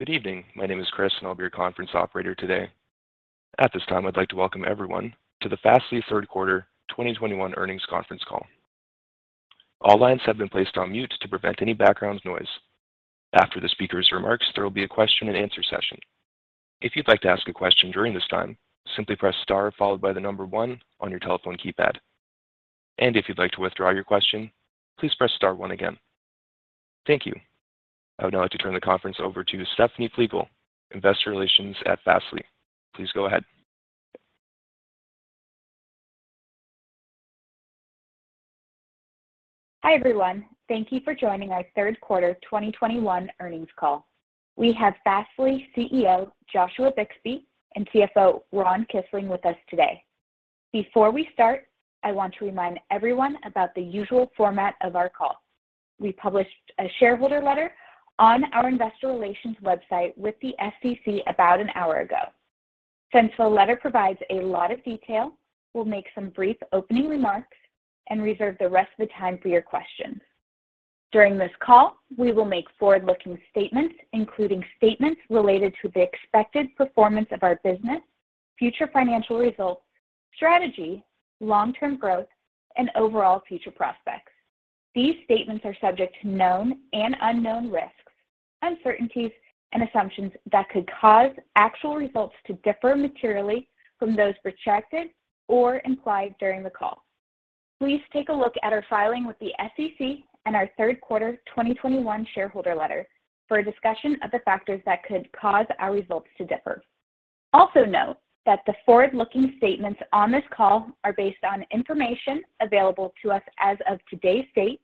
Good evening. My name is Chris, and I'll be your conference operator today. At this time, I'd like to welcome everyone to the Fastly Third Quarter 2021 Earnings Conference Call. All lines have been placed on mute to prevent any background noise. After the speaker's remarks, there will be a Q&A session. If you'd like to ask a question during this time, simply press star followed by the number one on your telephone keypad. If you'd like to withdraw your question, please press star one again. Thank you. I would now like to turn the conference over to Stefany Flegal, Investor Relations at Fastly. Please go ahead. Hi, everyone. Thank you for joining our Third Quarter 2021 Earnings Call. We have Fastly CEO, Joshua Bixby, and CFO, Ron Kisling with us today. Before we start, I want to remind everyone about the usual format of our call. We published a shareholder letter on our Investor Relations website with the SEC about an hour ago. Since the letter provides a lot of detail, we'll make some brief opening remarks and reserve the rest of the time for your questions. During this call, we will make forward-looking statements, including statements related to the expected performance of our business, future financial results, strategy, long-term growth, and overall future prospects. These statements are subject to known and unknown risks, uncertainties, and assumptions that could cause actual results to differ materially from those projected or implied during the call. Please take a look at our filing with the SEC and our third quarter 2021 shareholder letter for a discussion of the factors that could cause our results to differ. Also note that the forward-looking statements on this call are based on information available to us as of today's date.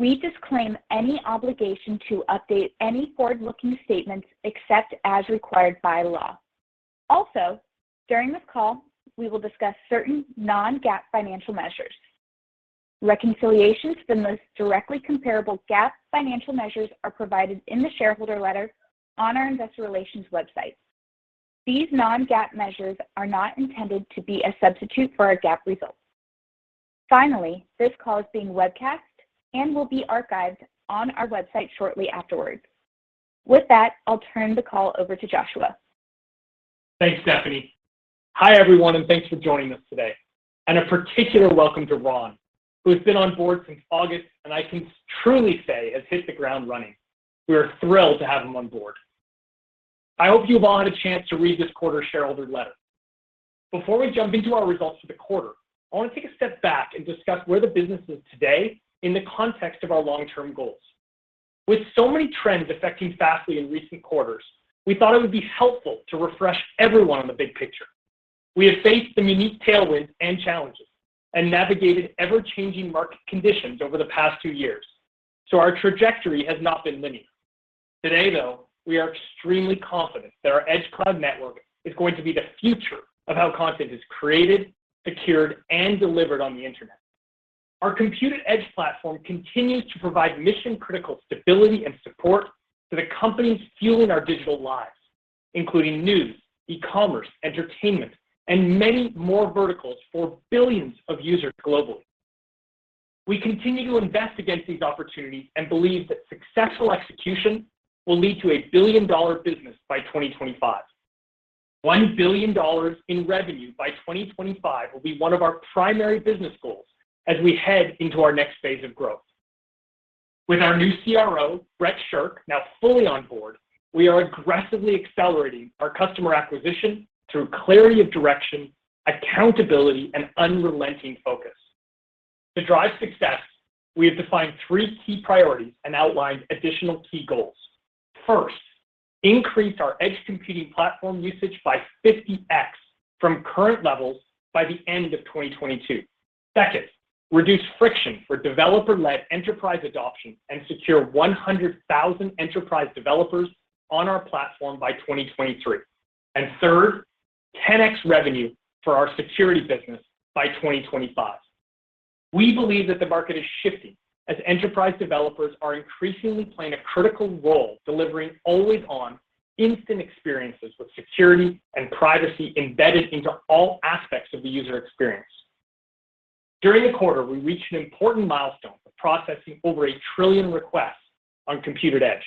We disclaim any obligation to update any forward-looking statements except as required by law. Also, during this call, we will discuss certain non-GAAP financial measures. Reconciliations to the most directly comparable GAAP financial measures are provided in the shareholder letter on our investor relations website. These non-GAAP measures are not intended to be a substitute for our GAAP results. Finally, this call is being webcast and will be archived on our website shortly afterwards. With that, I'll turn the call over to Joshua. Thanks, Stefany. Hi, everyone, and thanks for joining us today. A particular welcome to Ron, who has been on board since August, and I can truly say has hit the ground running. We are thrilled to have him on board. I hope you've all had a chance to read this quarter's shareholder letter. Before we jump into our results for the quarter, I want to take a step back and discuss where the business is today in the context of our long-term goals. With so many trends affecting Fastly in recent quarters, we thought it would be helpful to refresh everyone on the big picture. We have faced some unique tailwinds and challenges and navigated ever-changing market conditions over the past two years, so our trajectory has not been linear. Today, though, we are extremely confident that our Edge Cloud network is going to be the future of how content is created, secured, and delivered on the Internet. Our Compute@Edge platform continues to provide mission-critical stability and support to the companies fueling our digital lives, including news, e-commerce, entertainment, and many more verticals for billions of users globally. We continue to invest against these opportunities and believe that successful execution will lead to a billion-dollar business by 2025. $1 billion in revenue by 2025 will be one of our primary business goals as we head into our next phase of growth. With our new CRO, Brett Shirk, now fully on board, we are aggressively accelerating our customer acquisition through clarity of direction, accountability, and unrelenting focus. To drive success, we have defined three key priorities and outlined additional key goals. First, increase our Compute@Edge platform usage by 50x from current levels by the end of 2022. Second, reduce friction for developer-led enterprise adoption and secure 100,000 enterprise developers on our platform by 2023. Third, 10x revenue for our security business by 2025. We believe that the market is shifting as enterprise developers are increasingly playing a critical role delivering always-on instant experiences with security and privacy embedded into all aspects of the user experience. During the quarter, we reached an important milestone of processing over 1 trillion requests on Compute@Edge.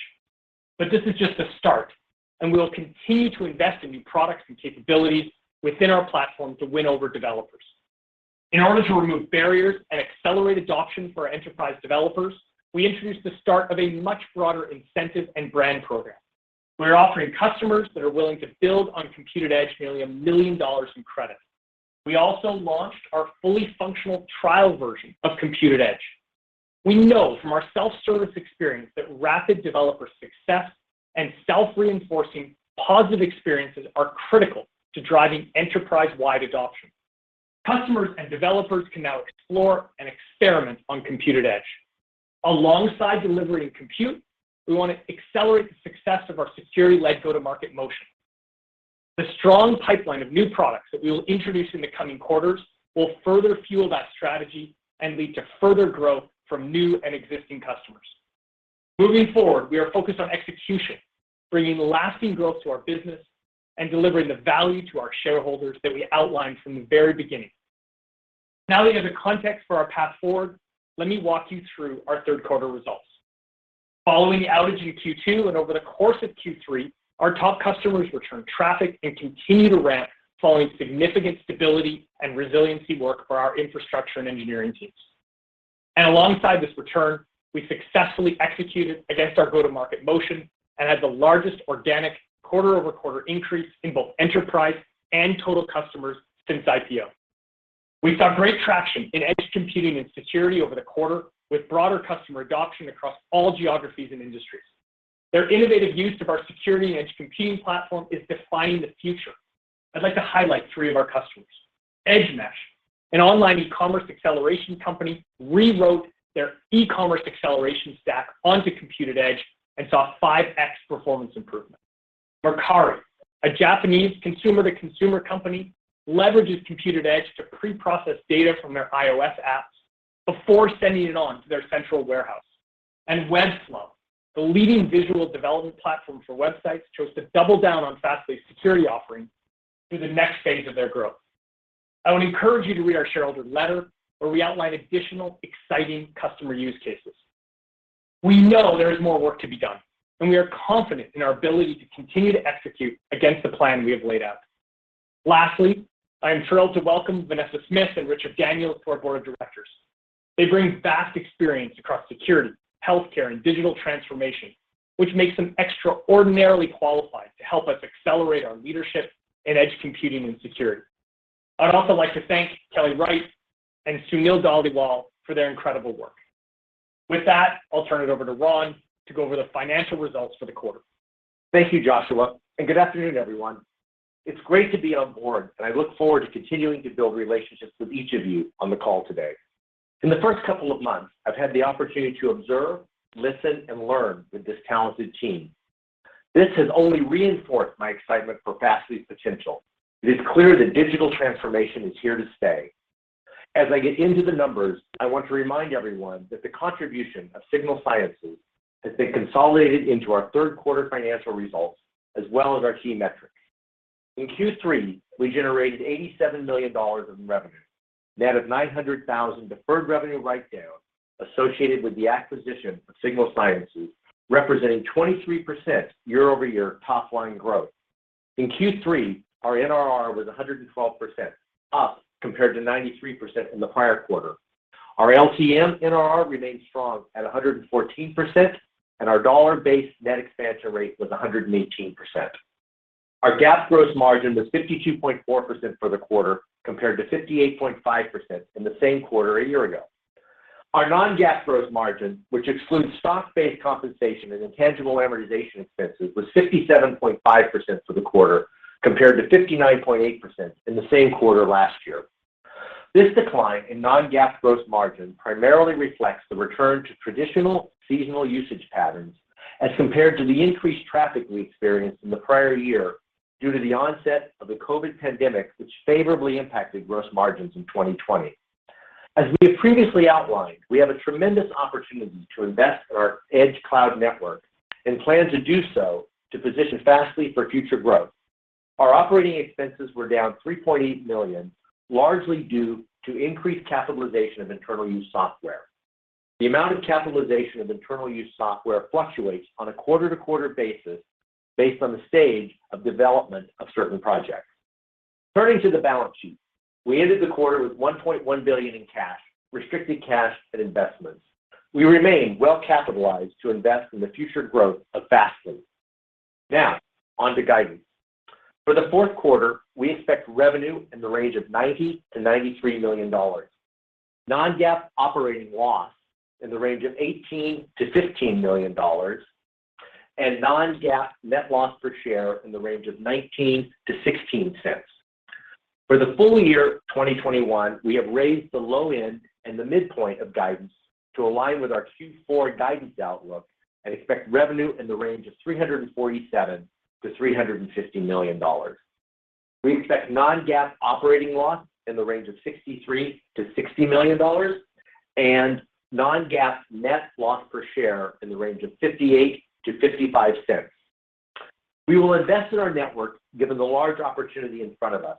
This is just a start, and we will continue to invest in new products and capabilities within our platform to win over developers. In order to remove barriers and accelerate adoption for our enterprise developers, we introduced the start of a much broader incentive and brand program. We are offering customers that are willing to build on Compute@Edge nearly $1 million in credit. We also launched our fully functional trial version of Compute@Edge. We know from our self-service experience that rapid developer success and self-reinforcing positive experiences are critical to driving enterprise-wide adoption. Customers and developers can now explore and experiment on Compute@Edge. Alongside delivering Compute, we want to accelerate the success of our security-led go-to-market motion. The strong pipeline of new products that we will introduce in the coming quarters will further fuel that strategy and lead to further growth from new and existing customers. Moving forward, we are focused on execution, bringing lasting growth to our business and delivering the value to our shareholders that we outlined from the very beginning. Now that you have the context for our path forward, let me walk you through our third quarter results. Following the outage in Q2 and over the course of Q3, our top customers returned traffic and continued to ramp following significant stability and resiliency work for our infrastructure and engineering teams. Alongside this return, we successfully executed against our go-to-market motion and had the largest organic quarter-over-quarter increase in both enterprise and total customers since IPO. We saw great traction in edge computing and security over the quarter, with broader customer adoption across all geographies and industries. Their innovative use of our security and edge computing platform is defining the future. I'd like to highlight three of our customers. Edgemesh, an online e-commerce acceleration company, rewrote their e-commerce acceleration stack onto Compute@Edge and saw 5x performance improvement. Mercari, a Japanese consumer-to-consumer company, leverages Compute@Edge to pre-process data from their iOS apps before sending it on to their central warehouse. Webflow, the leading visual development platform for websites, chose to double down on Fastly's security offering through the next phase of their growth. I would encourage you to read our shareholder letter, where we outline additional exciting customer use cases. We know there is more work to be done, and we are confident in our ability to continue to execute against the plan we have laid out. Lastly, I am thrilled to welcome Vanessa Smith and Richard Daniels to our board of directors. They bring vast experience across security, healthcare, and digital transformation, which makes them extraordinarily qualified to help us accelerate our leadership in edge computing and security. I'd also like to thank Kelly Wright and Sunil Dhaliwal for their incredible work. With that, I'll turn it over to Ron to go over the financial results for the quarter. Thank you, Joshua, and good afternoon, everyone. It's great to be on board, and I look forward to continuing to build relationships with each of you on the call today. In the first couple of months, I've had the opportunity to observe, listen, and learn with this talented team. This has only reinforced my excitement for Fastly's potential. It is clear that digital transformation is here to stay. As I get into the numbers, I want to remind everyone that the contribution of Signal Sciences has been consolidated into our third quarter financial results as well as our key metrics. In Q3, we generated $87 million in revenue, net of $900,000 deferred revenue write-down associated with the acquisition of Signal Sciences, representing 23% year-over-year top line growth. In Q3, our NRR was 112%, up compared to 93% in the prior quarter. Our LTM NRR remains strong at 114%, and our dollar-based net expansion rate was 118%. Our GAAP gross margin was 52.4% for the quarter, compared to 58.5% in the same quarter a year ago. Our non-GAAP gross margin, which excludes stock-based compensation and intangible amortization expenses, was 57.5% for the quarter, compared to 59.8% in the same quarter last year. This decline in non-GAAP gross margin primarily reflects the return to traditional seasonal usage patterns as compared to the increased traffic we experienced in the prior year due to the onset of the COVID pandemic, which favorably impacted gross margins in 2020. As we have previously outlined, we have a tremendous opportunity to invest in our edge cloud network and plan to do so to position Fastly for future growth. Our operating expenses were down $3.8 million, largely due to increased capitalization of internal use software. The amount of capitalization of internal use software fluctuates on a quarter-to-quarter basis based on the stage of development of certain projects. Turning to the balance sheet, we ended the quarter with $1.1 billion in cash, restricted cash, and investments. We remain well-capitalized to invest in the future growth of Fastly. Now, on to guidance. For the fourth quarter, we expect revenue in the range of $90 million-$93 million, non-GAAP operating loss in the range of $18 million-$15 million, and non-GAAP net loss per share in the range of $0.19-$0.16. For the full year 2021, we have raised the low end and the midpoint of guidance to align with our Q4 guidance outlook and expect revenue in the range of $347 million-$350 million. We expect non-GAAP operating loss in the range of $63 million-$60 million and non-GAAP net loss per share in the range of $0.58-$0.55. We will invest in our network given the large opportunity in front of us.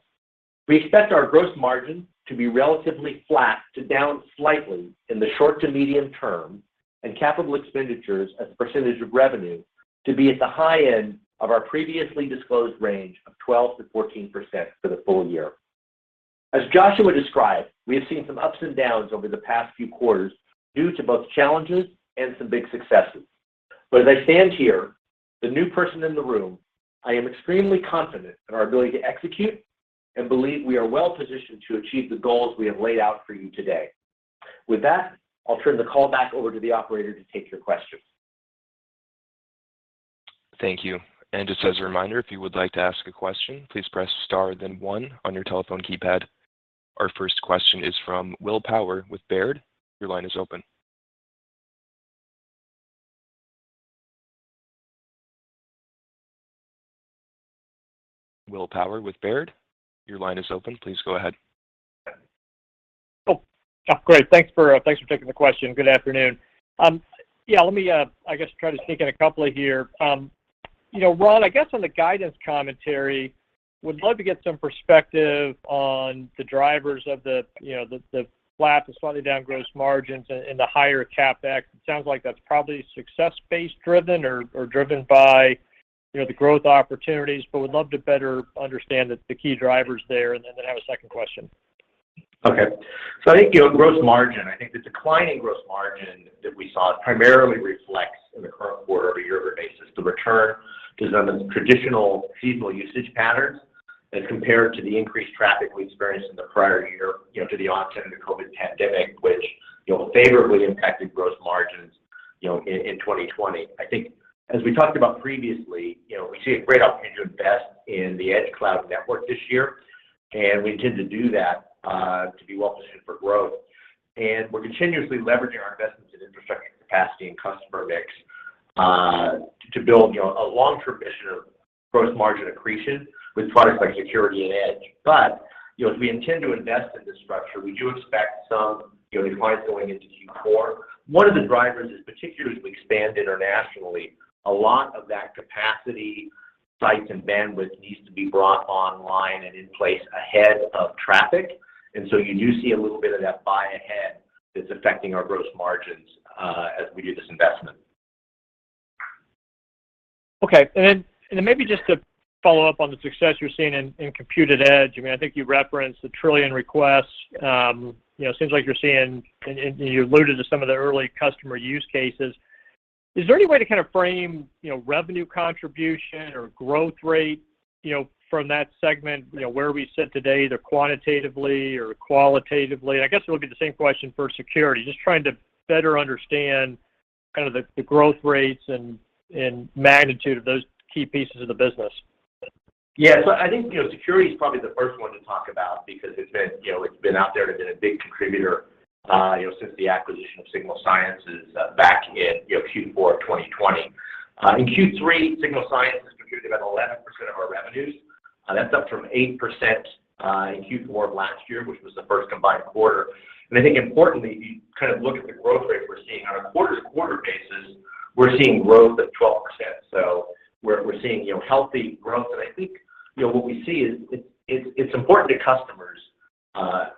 We expect our gross margin to be relatively flat to down slightly in the short to medium term, and capital expenditures as a percentage of revenue to be at the high end of our previously disclosed range of 12%-14% for the full year. As Joshua described, we have seen some ups and downs over the past few quarters due to both challenges and some big successes. As I stand here, the new person in the room, I am extremely confident in our ability to execute and believe we are well positioned to achieve the goals we have laid out for you today. With that, I'll turn the call back over to the operator to take your questions. Thank you. Just as a reminder, if you would like to ask a question, please press star then one on your telephone keypad. Our first question is from Will Power with Baird. Your line is open. Will Power with Baird, your line is open. Please go ahead. Oh, yeah, great. Thanks for taking the question. Good afternoon. Yeah, let me, I guess, try to sneak in a couple here. You know, Ron, I guess on the guidance commentary, would love to get some perspective on the drivers of the, you know, the flat to slightly down gross margins and the higher CapEx. It sounds like that's probably success-based driven or driven by, you know, the growth opportunities, but would love to better understand the key drivers there, and then I have a second question. Okay. I think, you know, gross margin, I think the decline in gross margin that we saw primarily reflects in the current quarter on a year-over-year basis, the return to some of the traditional seasonal usage patterns as compared to the increased traffic we experienced in the prior year, you know, to the onset of the COVID-19 pandemic, which, you know, favorably impacted gross margins, you know, in 2020. I think as we talked about previously, you know, we see a great opportunity to invest in the Edge Cloud network this year, and we intend to do that to be well-positioned for growth. We're continuously leveraging our investments in infrastructure capacity and customer mix to build, you know, a long-term vision of gross margin accretion with products like security and Edge. But, you know, as we intend to invest in this structure, we do expect some, you know, declines going into Q4. One of the drivers is particularly as we expand internationally, a lot of that capacity, sites, and bandwidth needs to be brought online and in place ahead of traffic. You do see a little bit of that buy ahead that's affecting our gross margins, as we do this investment. Okay. Maybe just to follow up on the success you're seeing in Compute@Edge, I mean, I think you referenced the trillion requests. You know, seems like you're seeing and you alluded to some of the early customer use cases. Is there any way to kind of frame, you know, revenue contribution or growth rate, you know, from that segment, you know, where we sit today, either quantitatively or qualitatively? I guess it would be the same question for security. Just trying to better understand kind of the growth rates and magnitude of those key pieces of the business. Yeah. I think, you know, security is probably the first one to talk about because it's been, you know, it's been out there and been a big contributor, you know, since the acquisition of Signal Sciences back in, you know, Q4 of 2020. In Q3, Signal Sciences contributed about 11% of our revenues. That's up from 8% in Q4 of last year, which was the first combined quarter. I think importantly, if you kind of look at the growth rate we're seeing on a quarter-to-quarter basis, we're seeing growth of 12%. We're seeing, you know, healthy growth. I think, you know, what we see is it's important to customers,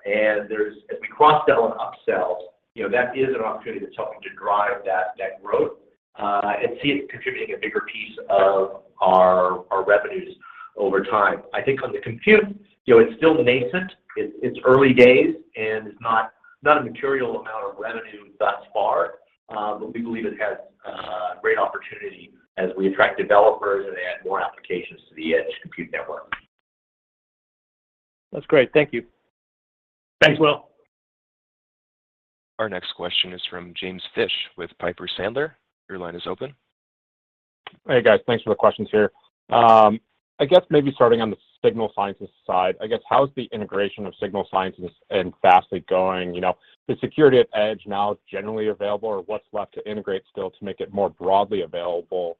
and there's, as we cross-sell and upsell, you know, that is an opportunity that's helping to drive that growth, and see it contributing a bigger piece of our revenues over time. I think on the Compute, you know, it's still nascent. It's early days, and it's not a material amount of revenue thus far. But we believe it has great opportunity as we attract developers and add more applications to the Edge Compute network. That's great. Thank you. Thanks, Will. Our next question is from James Fish with Piper Sandler. Your line is open. Hey, guys. Thanks for the questions here. I guess maybe starting on the Signal Sciences side, I guess how is the integration of Signal Sciences and Fastly going? You know, is security at Edge now generally available, or what's left to integrate still to make it more broadly available?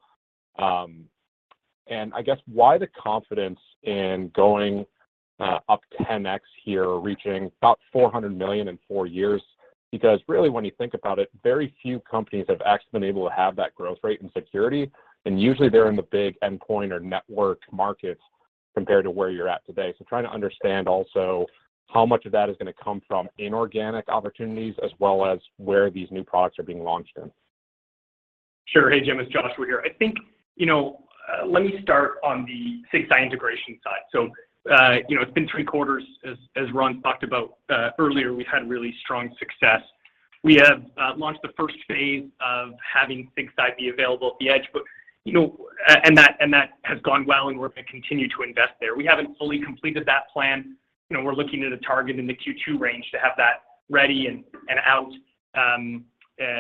I guess why the confidence in going up 10x here, reaching about $400 million in four years? Because really when you think about it, very few companies have actually been able to have that growth rate in security, and usually they're in the big endpoint or network markets compared to where you're at today. Trying to understand also how much of that is gonna come from inorganic opportunities as well as where these new products are being launched in. Sure. Hey, Jim, it's Joshua here. I think, you know, let me start on the Sig Si integration side. You know, it's been three quarters, as Ron talked about, earlier. We've had really strong success. We have launched the first phase of having Sig Si be available at the Edge, but, you know, and that has gone well, and we're gonna continue to invest there. We haven't fully completed that plan. You know, we're looking at a target in the Q2 range to have that ready and out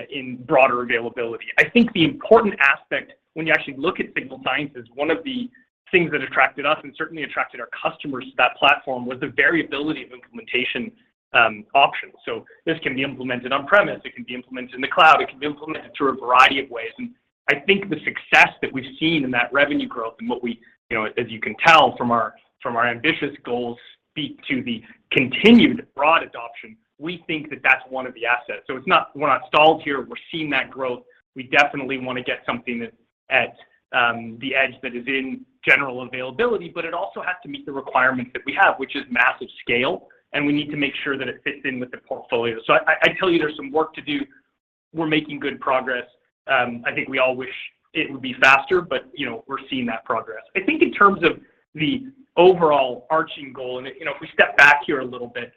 in broader availability. I think the important aspect when you actually look at Signal Sciences, one of the things that attracted us and certainly attracted our customers to that platform was the variability of implementation options. This can be implemented on-premise, it can be implemented in the cloud, it can be implemented through a variety of ways. I think the success that we've seen in that revenue growth and what we, you know, as you can tell from our ambitious goals speak to the continued broad adoption, we think that that's one of the assets. It's not we're not stalled here. We're seeing that growth. We definitely wanna get something that's at the Edge that is in general availability, but it also has to meet the requirements that we have, which is massive scale, and we need to make sure that it fits in with the portfolio. I tell you there's some work to do. We're making good progress. I think we all wish it would be faster, but, you know, we're seeing that progress. I think in terms of the overall overarching goal, and, you know, if we step back here a little bit,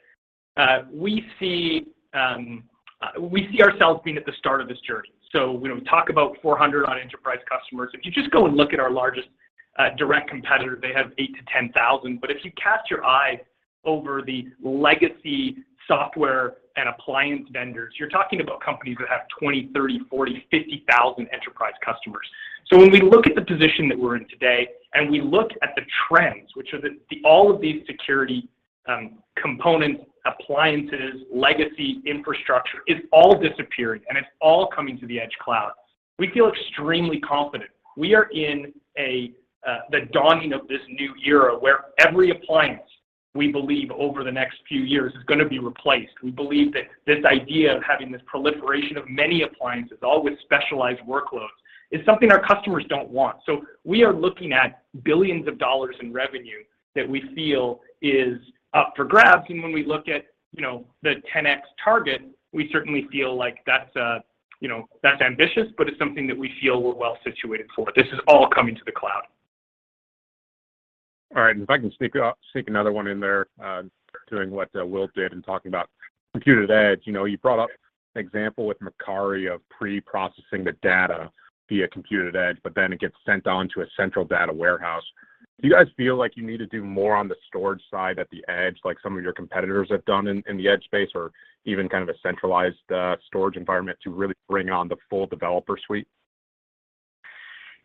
we see ourselves being at the start of this journey. When we talk about 400 enterprise customers, if you just go and look at our largest, direct competitor, they have 8,000-10,000. If you cast your eye over the legacy software and appliance vendors, you're talking about companies that have 20,000, 30,000, 40,000, 50,000 enterprise customers. When we look at the position that we're in today and we look at the trends, which are all of these security, components, appliances, legacy infrastructure, it's all disappearing, and it's all coming to the Edge Cloud. We feel extremely confident. We are in the dawning of this new era where every appliance, we believe, over the next few years is gonna be replaced. We believe that this idea of having this proliferation of many appliances, all with specialized workloads, is something our customers don't want. We are looking at billions of dollars in revenue that we feel is up for grabs. When we look at, you know, the 10x target, we certainly feel like that's, you know, that's ambitious, but it's something that we feel we're well-situated for. This is all coming to the cloud. All right. If I can sneak another one in there, doing what Will did and talking about Compute@Edge. You know, you brought up an example with Mercari of pre-processing the data via Compute@Edge, but then it gets sent on to a central data warehouse. Do you guys feel like you need to do more on the storage side at the Edge like some of your competitors have done in the edge space or even kind of a centralized storage environment to really bring on the full developer suite?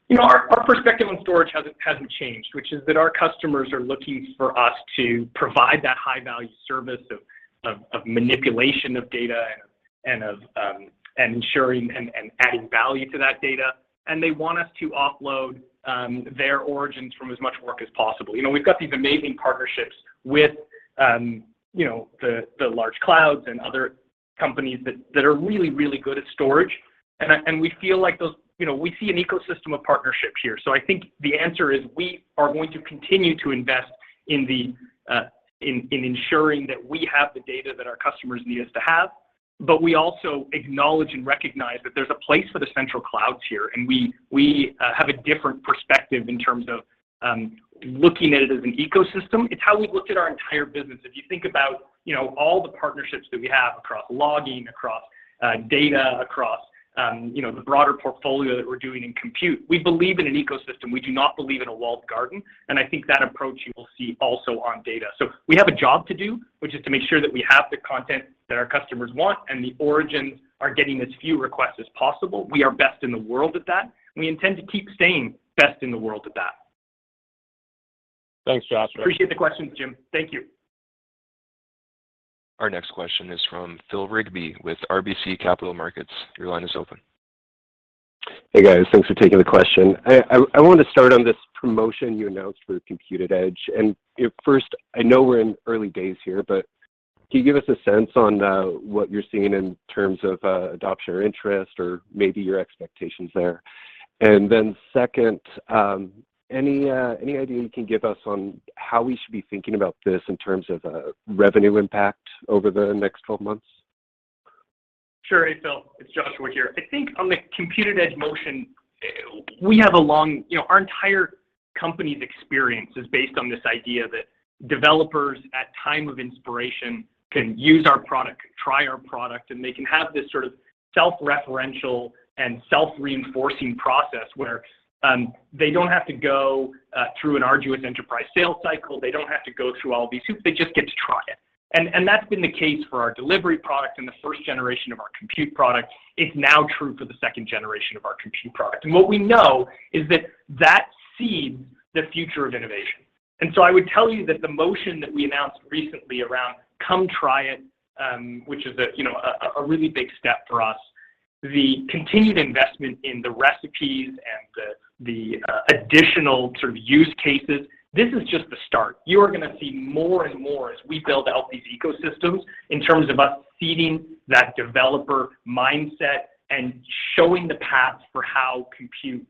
You know, our perspective on storage hasn't changed, which is that our customers are looking for us to provide that high-value service of manipulation of data and of ensuring and adding value to that data, and they want us to offload their origins from as much work as possible. You know, we've got these amazing partnerships with, you know, the large clouds and other companies that are really good at storage. We feel like those- you know, we see an ecosystem of partnerships here. I think the answer is we are going to continue to invest in ensuring that we have the data that our customers need us to have, but we also acknowledge and recognize that there's a place for the central clouds here, and we have a different perspective in terms of looking at it as an ecosystem. It's how we've looked at our entire business. If you think about, you know, all the partnerships that we have across logging, across data, across, you know, the broader portfolio that we're doing in compute. We believe in an ecosystem. We do not believe in a walled garden, and I think that approach you will see also on data. We have a job to do, which is to make sure that we have the content that our customers want, and the origins are getting as few requests as possible. We are best in the world at that, and we intend to keep staying best in the world at that. Thanks, Joshua. Appreciate the question, Jim. Thank you. Our next question is from Phil Rigby with RBC Capital Markets. Your line is open. Hey, guys. Thanks for taking the question. I wanted to start on this promotion you announced for the Compute@Edge. At first, I know we're in early days here, but can you give us a sense on what you're seeing in terms of adoption or interest or maybe your expectations there? Then, second, any idea you can give us on how we should be thinking about this in terms of revenue impact over the next 12 months? Sure. Hey, Phil. It's Joshua here. I think on the Compute@Edge momentum, we have a long- you know, our entire company's experience is based on this idea that developers at time of inspiration can use our product, try our product, and they can have this sort of self-referential and self-reinforcing process where they don't have to go through an arduous enterprise sales cycle. They don't have to go through all these hoops. They just get to try it. That's been the case for our delivery product and the first generation of our Compute product. It's now true for the second generation of our Compute product. What we know is that that seeds the future of innovation. I would tell you that the motion that we announced recently around come try it, which is a you know a really big step for us, the continued investment in the recipes and the additional sort of use cases, this is just the start. You are gonna see more and more as we build out these ecosystems in terms of us seeding that developer mindset and showing the paths for how Compute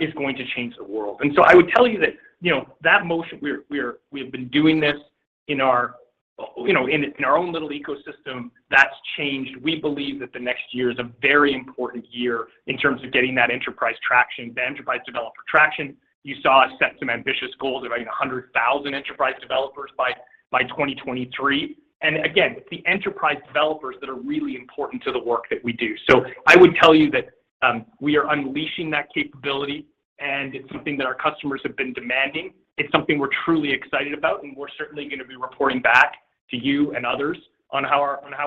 is going to change the world. I would tell you that, you know, that motion we have been doing this in our you know in our own little ecosystem. That's changed. We believe that the next year is a very important year in terms of getting that enterprise traction, the enterprise developer traction. You saw us set some ambitious goals around 100,000 enterprise developers by 2023. Again, it's the enterprise developers that are really important to the work that we do. I would tell you that we are unleashing that capability, and it's something that our customers have been demanding. It's something we're truly excited about, and we're certainly gonna be reporting back to you and others on how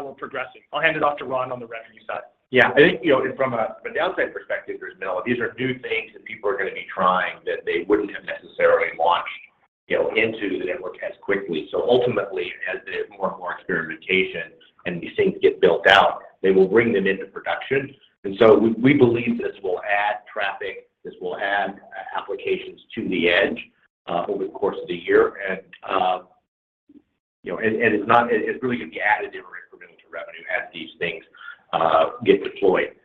we're progressing. I'll hand it off to Ron on the revenue side. Yeah. I think, you know, from a downside perspective, there's no. These are new things that people are gonna be trying that they wouldn't have necessarily launched, you know, into the network as quickly. Ultimately, as they have more and more experimentation and these things get built out, they will bring them into production. We believe this will add traffic, this will add applications to the edge over the course of the year. You know, it's really gonna be additive or incremental to revenue as these things get deployed.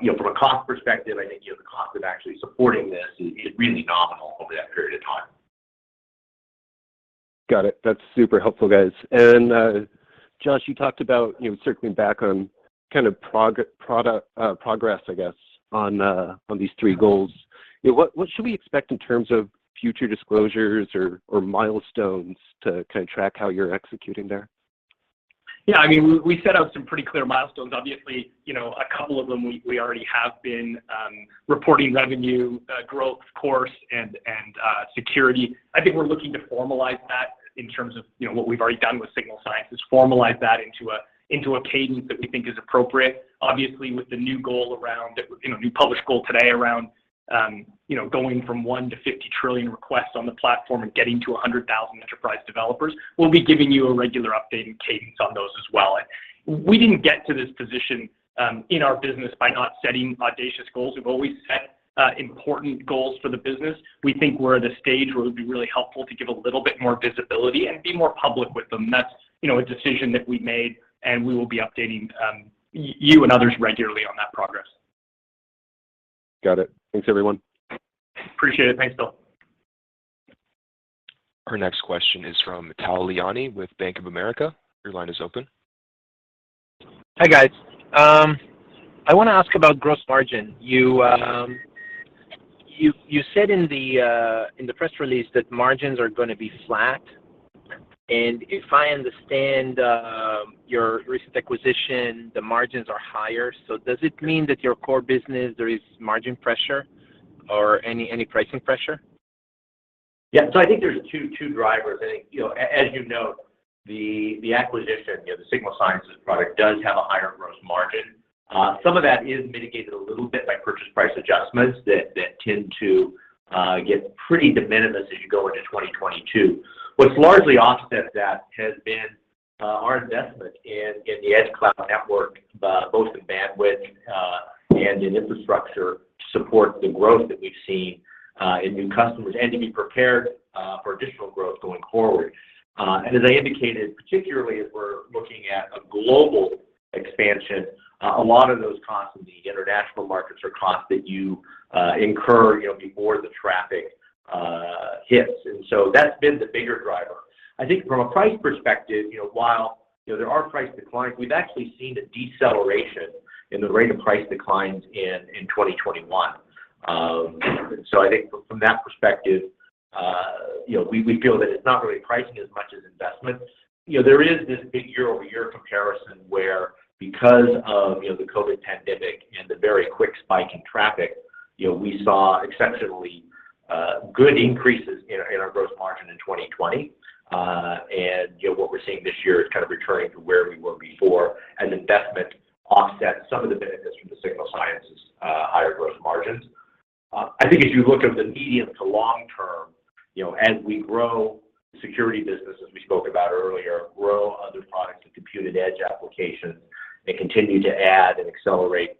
You know, from a cost perspective, I think, you know, the cost of actually supporting this is really nominal over that period of time. Got it. That's super helpful, guys. Josh, you talked about, you know, circling back on kind of progress, I guess, on these three goals. You know, what should we expect in terms of future disclosures or milestones to track how you're executing there? Yeah, I mean, we set out some pretty clear milestones. Obviously, you know, a couple of them we already have been reporting revenue growth, of course, and security. I think we're looking to formalize that in terms of, you know, what we've already done with Signal Sciences, formalize that into a cadence that we think is appropriate. Obviously, with the new goal around, you know, new published goal today around, you know, going from 1 to 50 trillion requests on the platform and getting to 100,000 enterprise developers, we'll be giving you a regular update and cadence on those as well. We didn't get to this position in our business by not setting audacious goals. We've always set important goals for the business. We think we're at a stage where it would be really helpful to give a little bit more visibility and be more public with them. That's, you know, a decision that we made, and we will be updating you and others regularly on that progress. Got it. Thanks, everyone. Appreciate it. Thanks, Phil. Our next question is from Tal Liani with Bank of America. Your line is open. Hi, guys. I want to ask about gross margin. You said in the press release that margins are gonna be flat, and if I understand your recent acquisition, the margins are higher. Does it mean that your core business there is margin pressure or any pricing pressure? Yeah. I think there's two drivers. I think, you know, as you know, the acquisition, you know, the Signal Sciences product does have a higher gross margin. Some of that is mitigated a little bit by purchase price adjustments that tend to get pretty de minimis as you go into 2022. What's largely offset that has been our investment in the Edge Cloud network, both in bandwidth and in infrastructure to support the growth that we've seen in new customers and to be prepared for additional growth going forward. And as I indicated, particularly as we're looking at a global expansion, a lot of those costs in the international markets are costs that you incur, you know, before the traffic hits. That's been the bigger driver. I think from a price perspective, you know, while you know there are price declines, we've actually seen a deceleration in the rate of price declines in 2021. From that perspective, you know, we feel that it's not really pricing as much as investment. You know, there is this big year-over-year comparison where because of you know the COVID pandemic and the very quick spike in traffic, you know, we saw exceptionally good increases in our gross margin in 2020. What we're seeing this year is kind of returning to where we were before, and investment offsets some of the benefits from the Signal Sciences higher gross margins. I think if you look over the medium to long term, you know, as we grow security business, as we spoke about earlier, grow other products to Compute@Edge applications and continue to add and accelerate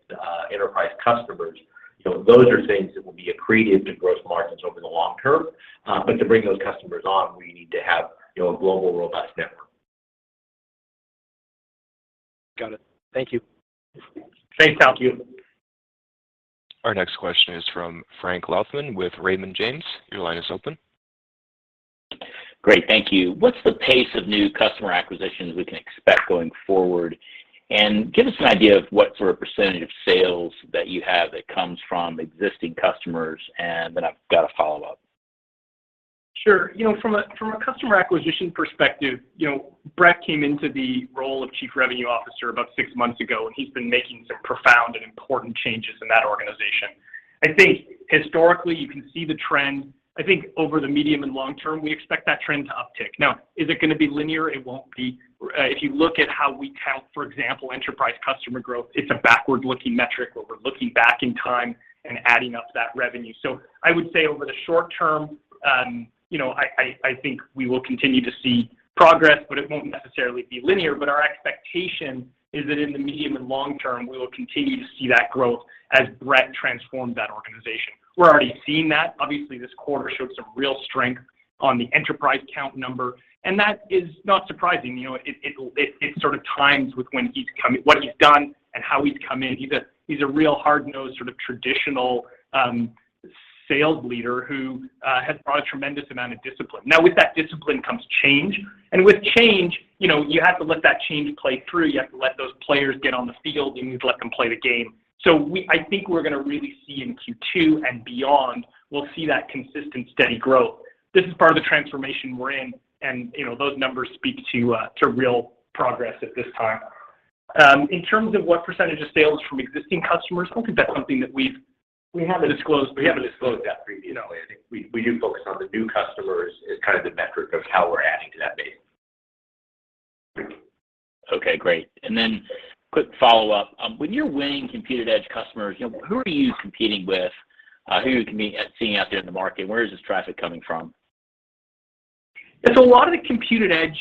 enterprise customers, you know, those are things that will be accretive to gross margins over the long term. To bring those customers on, we need to have, you know, a global, robust network. Got it. Thank you. Thanks, Tal. Our next question is from Frank Louthan with Raymond James. Your line is open. Great. Thank you. What's the pace of new customer acquisitions we can expect going forward? Give us an idea of what sort of percentage of sales that you have that comes from existing customers and then I've got a follow-up. Sure. You know, from a customer acquisition perspective, you know, Brett came into the role of Chief Revenue Officer about six months ago, and he's been making some profound and important changes in that organization. I think historically, you can see the trend. I think over the medium and long term, we expect that trend to uptick. Now, is it gonna be linear? It won't be. If you look at how we count, for example, enterprise customer growth, it's a backward-looking metric where we're looking back in time and adding up that revenue. I would say over the short term, you know, I think we will continue to see progress, but it won't necessarily be linear. Our expectation is that in the medium and long term, we will continue to see that growth as Brett transforms that organization. We're already seeing that. Obviously, this quarter showed some real strength on the enterprise count number, and that is not surprising. You know, it sort of ties with what he's done and how he's come in. He's a real hard-nosed, sort of traditional, sales leader who has brought a tremendous amount of discipline. Now, with that discipline comes change, and with change, you know, you have to let that change play through. You have to let those players get on the field, and you have to let them play the game. I think we're gonna really see in Q2 and beyond, we'll see that consistent, steady growth. This is part of the transformation we're in, and, you know, those numbers speak to real progress at this time. In terms of what percentage of sales from existing customers, I don't think that's something that we've- we haven't disclosed that. We haven't disclosed that previously. I think we do focus on the new customers as kind of the metric of how we're adding to that base. Okay, great. Quick follow-up. When you're winning Compute@Edge customers, you know, who are you competing with? Who are you seeing out there in the market? Where is this traffic coming from? A lot of the Compute@Edge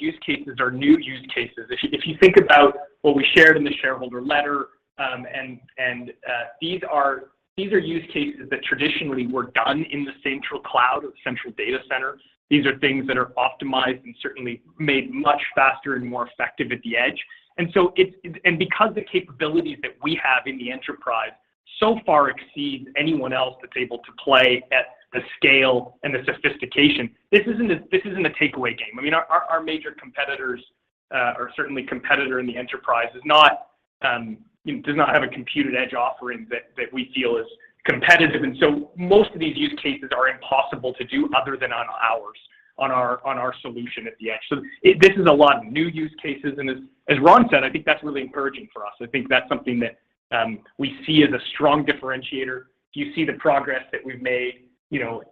use cases are new use cases. If you think about what we shared in the shareholder letter, these are use cases that traditionally were done in the central cloud or central data center. These are things that are optimized and certainly made much faster and more effective at the edge. Because the capabilities that we have in the enterprise so far exceed anyone else that's able to play at the scale and the sophistication, this isn't a takeaway game. I mean, our major competitors, or certainly competitor in the enterprise is not, you know, does not have a Compute@Edge offering that we feel is competitive. Most of these use cases are impossible to do other than on our solution at the edge. This is a lot of new use cases, and as Ron said, I think that's really encouraging for us. I think that's something that we see as a strong differentiator. You see the progress that we've made, you know,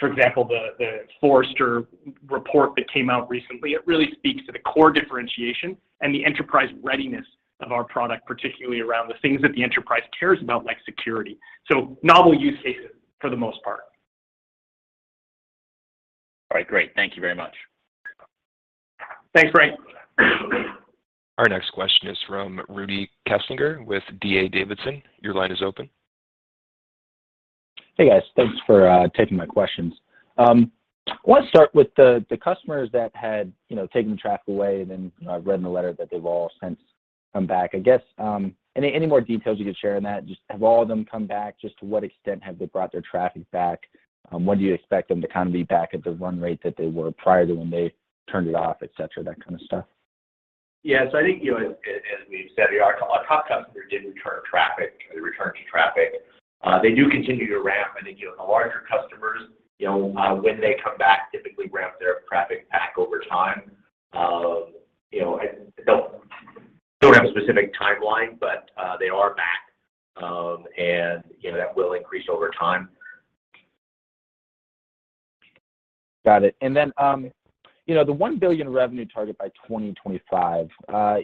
for example, the Forrester report that came out recently. It really speaks to the core differentiation and the enterprise readiness of our product, particularly around the things that the enterprise cares about, like security. Novel use cases for the most part. All right, great. Thank you very much. Thanks, Frank. Our next question is from Rudy Kessinger with D.A. Davidson. Your line is open. Hey guys. Thanks for taking my questions. I want to start with the customers that had, you know, taken the traffic away and then I've read in the letter that they've all since come back. I guess, any more details you could share on that? Just have all of them come back? Just to what extent have they brought their traffic back? When do you expect them to kind of be back at the run rate that they were prior to when they turned it off, et cetera, that kind of stuff? Yeah. I think, you know, as we've said here, our top customers did return to traffic. They do continue to ramp. I think, you know, the larger customers, you know, when they come back, typically ramp their traffic back over time. I don't have a specific timeline, but they are back, and you know, that will increase over time. Got it. You know, the $1 billion revenue target by 2025,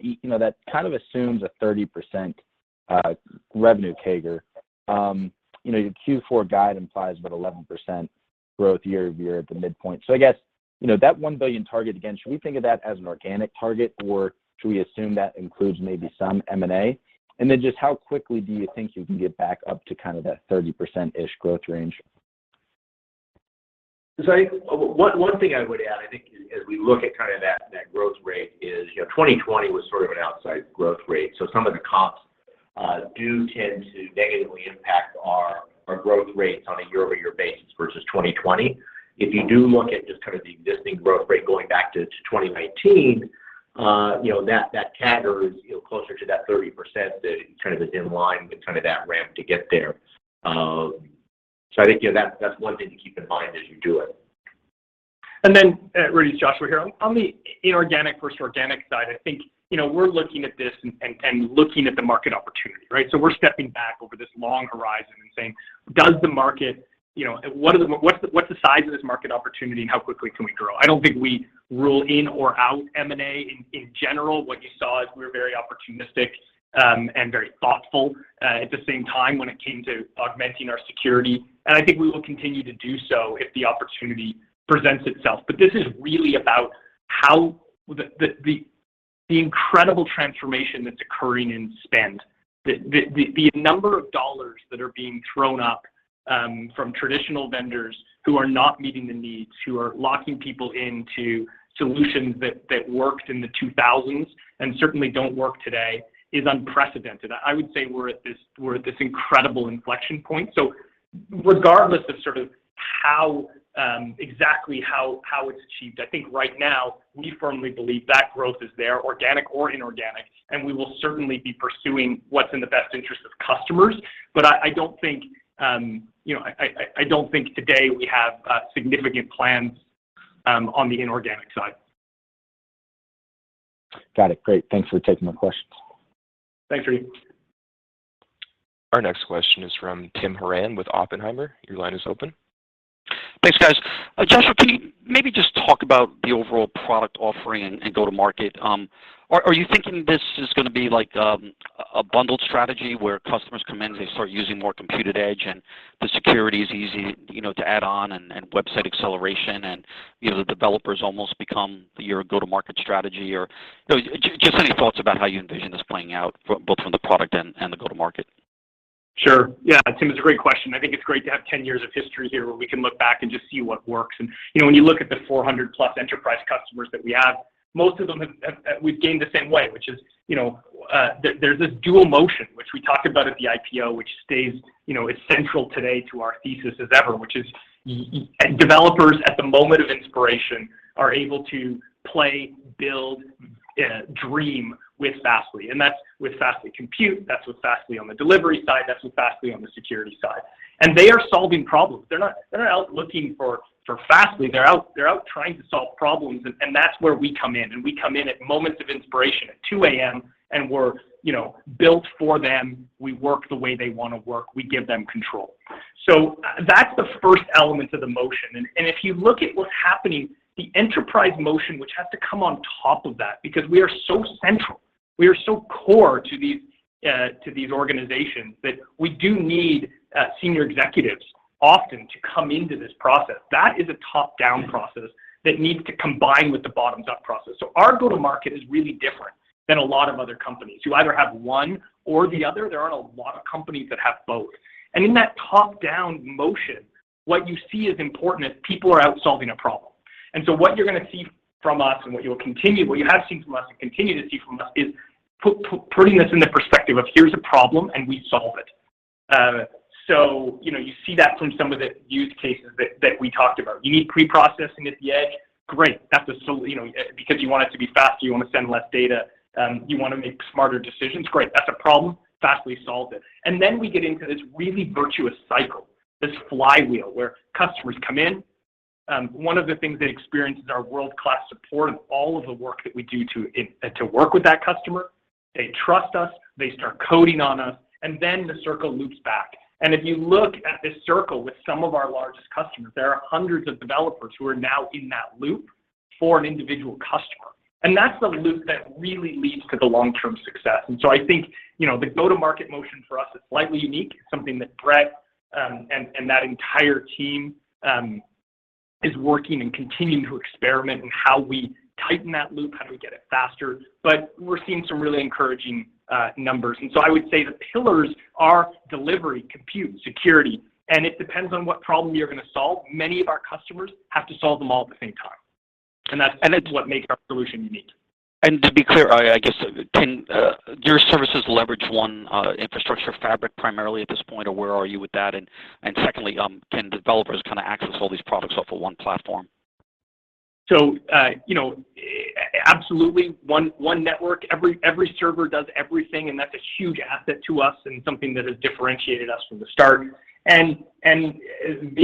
you know, that kind of assumes a 30% revenue CAGR. You know, your Q4 guide implies about 11% growth year-over-year at the midpoint. I guess, you know, that $1 billion target, again, should we think of that as an organic target? Or should we assume that includes maybe some M&A? Just how quickly do you think you can get back up to kind of that 30%-ish growth range? I think one thing I would add, as I think- as we look at kind of that growth rate, you know, 2020 was sort of an outlier growth rate. Some of the comps do tend to negatively impact our growth rates on a year-over-year basis versus 2020. If you do look at just kind of the existing growth rate going back to 2019, you know, that CAGR is, you know, closer to that 30% that kind of is in line with kind of that ramp to get there. I think, you know, that's one thing to keep in mind as you do it. Rudy, it's Joshua here. On the inorganic versus organic side, I think, you know, we're looking at this and looking at the market opportunity, right? We're stepping back over this long horizon and saying, does the market, you know, what's the size of this market opportunity and how quickly can we grow? I don't think we rule in or out M&A in general. What you saw is we're very opportunistic and very thoughtful at the same time when it came to augmenting our security, and I think we will continue to do so if the opportunity presents itself. This is really about how the incredible transformation that's occurring in spend. The number of dollars that are being thrown up from traditional vendors who are not meeting the needs, who are locking people into solutions that worked in the two thousands and certainly don't work today is unprecedented. I would say we're at this incredible inflection point. Regardless of sort of how exactly it's achieved, I think right now we firmly believe that growth is there, organic or inorganic, and we will certainly be pursuing what's in the best interest of customers. I don't think, you know, today we have significant plans on the inorganic side. Got it. Great. Thanks for taking my questions. Thanks, Rudy. Our next question is from Tim Horan with Oppenheimer. Your line is open. Thanks, guys. Joshua, can you maybe just talk about the overall product offering and go-to-market? Are you thinking this is gonna be like a bundled strategy where customers come in, they start using more Compute@Edge and the security is easy, you know, to add on and website acceleration and, you know, the developers almost become your go-to-market strategy or just any thoughts about how you envision this playing out both from the product and the go-to-market. Sure. Yeah, Tim, it's a great question. I think it's great to have 10 years of history here where we can look back and just see what works. You know, when you look at the 400+ enterprise customers that we have, most of them we've gained the same way, which is, you know, there's this dual motion, which we talked about at the IPO, which stays, you know, is central today to our thesis as ever, which is developers at the moment of inspiration are able to play, build, dream with Fastly, and that's with Fastly Compute, that's with Fastly on the delivery side, that's with Fastly on the security side. They are solving problems. They're not out looking for Fastly. They're out trying to solve problems, and that's where we come in, and we come in at moments of inspiration at 2 A.M., and we're, you know, built for them. We work the way they wanna work. We give them control. That's the first element of the motion. If you look at what's happening, the enterprise motion, which has to come on top of that, because we are so central, we are so core to these organizations that we do need senior executives often to come into this process. That is a top-down process that needs to combine with the bottoms-up process. Our go-to-market is really different than a lot of other companies who either have one or the other. There aren't a lot of companies that have both. In that top-down motion, what you see is important is people are out solving a problem. What you're gonna see from us, and what you have seen from us and continue to see from us is putting this in the perspective of here's a problem and we solve it. You know, you see that from some of the use cases that we talked about. You need pre-processing at the edge? Great. That's a because you want it to be faster, you wanna send less data, you wanna make smarter decisions. Great. That's a problem, Fastly solved it. We get into this really virtuous cycle, this flywheel where customers come in. One of the things they experience is our world-class support of all of the work that we do to work with that customer. They trust us, they start coding on us, and then the circle loops back. If you look at this circle with some of our largest customers, there are hundreds of developers who are now in that loop for an individual customer. That's the loop that really leads to the long-term success. I think, you know, the go-to-market motion for us is slightly unique, something that Brett and that entire team is working and continuing to experiment in how we tighten that loop, how do we get it faster. We're seeing some really encouraging numbers. I would say the pillars are delivery, compute, security, and it depends on what problem you're gonna solve. Many of our customers have to solve them all at the same time, and that's what makes our solution unique. To be clear, I guess can your services leverage one infrastructure fabric primarily at this point, or where are you with that? Secondly, can developers kinda access all these products off of one platform? You know, absolutely. One network. Every server does everything, and that's a huge asset to us and something that has differentiated us from the start. The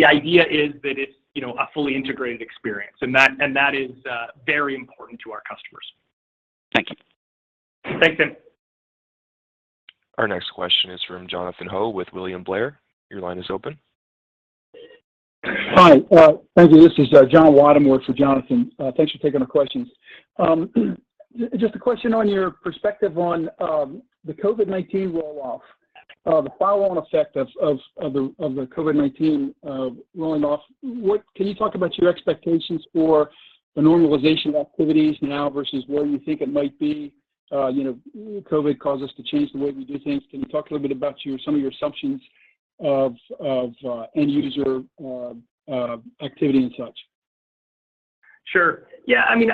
idea is that it's, you know, a fully integrated experience, and that is very important to our customers. Thank you. Thanks, Tim. Our next question is from Jonathan Ho with William Blair. Your line is open. Hi. Thank you. This is John Weidemoyer for Jonathan. Thanks for taking the questions. Just a question on your perspective on the COVID-19 roll-off, the follow-on effect of the COVID-19 rolling off. Can you talk about your expectations for the normalization of activities now versus where you think it might be? You know, COVID caused us to change the way we do things. Can you talk a little bit about your some of your assumptions of end user activity and such? Sure. Yeah, I mean,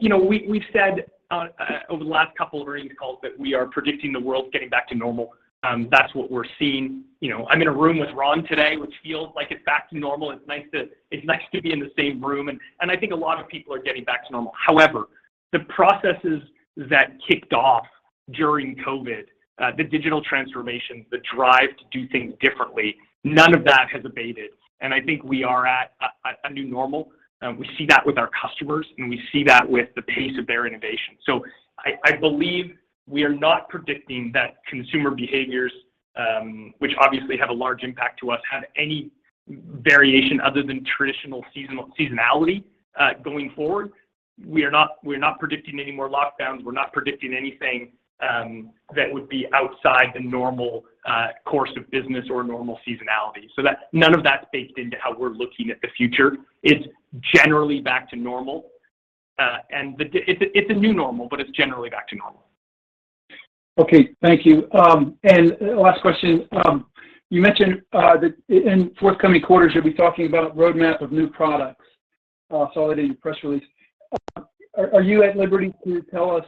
you know, we've said over the last couple of earnings calls that we are predicting the world's getting back to normal. That's what we're seeing. You know, I'm in a room with Ron today, which feels like it's back to normal. It's nice to be in the same room, and I think a lot of people are getting back to normal. However, the processes that kicked off during COVID, the digital transformation, the drive to do things differently, none of that has abated, and I think we are at a new normal. We see that with our customers, and we see that with the pace of their innovation. I believe we are not predicting that consumer behaviors, which obviously have a large impact to us, have any variation other than traditional seasonality going forward. We're not predicting any more lockdowns. We're not predicting anything that would be outside the normal course of business or normal seasonality. None of that's baked into how we're looking at the future. It's generally back to normal. It's a new normal, but it's generally back to normal. Okay. Thank you. Last question. You mentioned that in forthcoming quarters, you'll be talking about roadmap of new products- I saw that in your press release. Are you at liberty to tell us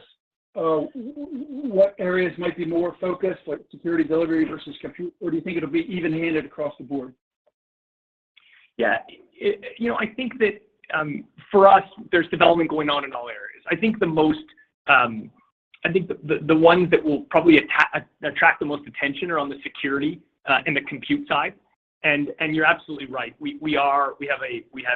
what areas might be more focused, like security delivery versus compute, or do you think it'll be even-handed across the board? Yeah. You know, I think that, for us, there's development going on in all areas. I think the ones that will probably attract the most attention are on the security and the compute side. You're absolutely right. We have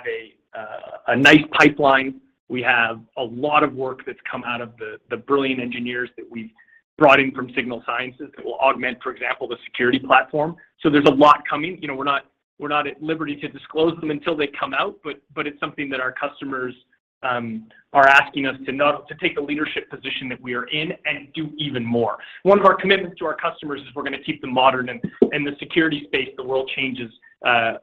a nice pipeline. We have a lot of work that's come out of the brilliant engineers that we've brought in from Signal Sciences that will augment, for example, the security platform. So there's a lot coming. You know, we're not at liberty to disclose them until they come out, but it's something that our customers are asking us to take the leadership position that we are in and do even more. One of our commitments to our customers is we're gonna keep them modern, and in the security space, the world changes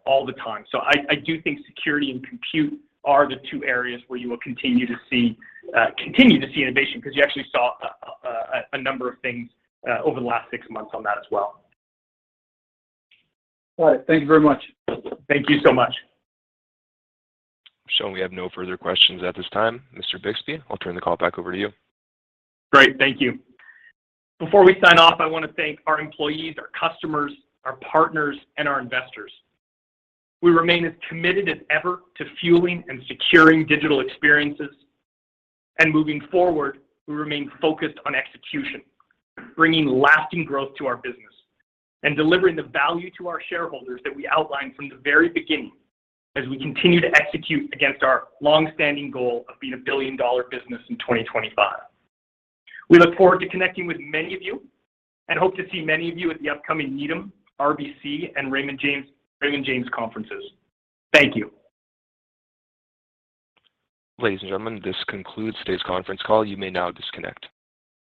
all the time. I do think security and compute are the two areas where you will continue to see innovation because you actually saw a number of things over the last six months on that as well. All right. Thank you very much. Thank you so much. I'm showing we have no further questions at this time. Mr. Bixby, I'll turn the call back over to you. Great. Thank you. Before we sign off, I wanna thank our employees, our customers, our partners, and our investors. We remain as committed as ever to fueling and securing digital experiences. Moving forward, we remain focused on execution, bringing lasting growth to our business and delivering the value to our shareholders that we outlined from the very beginning as we continue to execute against our long-standing goal of being a billion-dollar business in 2025. We look forward to connecting with many of you and hope to see many of you at the upcoming Needham, RBC, and Raymond James conferences. Thank you. Ladies and gentlemen, this concludes today's conference call. You may now disconnect.